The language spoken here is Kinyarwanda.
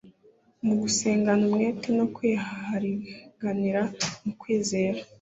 Mu gusengana umwete no kwihariganira mu kwizera ;